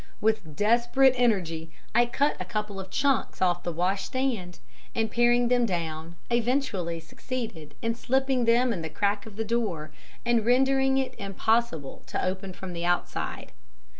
With desperate energy I cut a couple of chunks off the washstand, and paring them down, eventually succeeded in slipping them in the crack of the door, and rendering it impossible to open from the outside.